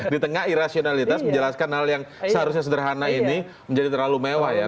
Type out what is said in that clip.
di tengah irasionalitas menjelaskan hal yang seharusnya sederhana ini menjadi terlalu mewah ya